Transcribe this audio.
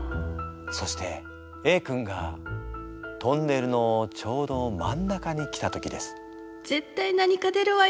そしてＡ君がトンネルのちょうど真ん中に来た時です。